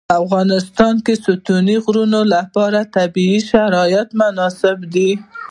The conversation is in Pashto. په افغانستان کې د ستوني غرونه لپاره طبیعي شرایط مناسب دي.